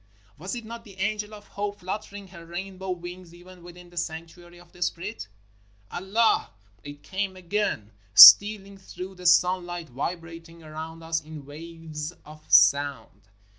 Was it not the angel of Hope flut tering her rainbow wings, even within the sanctuary of the Spirit? "Allah !" It came again , stealing through the sunlight , vibrating around us in waves of sound.